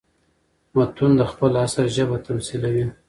متون د خپل عصر ژبه تميثلوي.